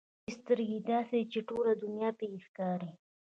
ځینې سترګې داسې دي چې ټوله دنیا پکې ښکاري.